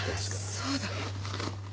そうだ。